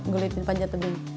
gue liatin panjat tebing